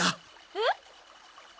えっ！